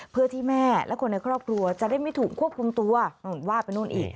เพื่อที่แม่และคนในครอบครัวจะได้ไม่ถูกควบคุมตัวนู่นว่าไปนู่นอีก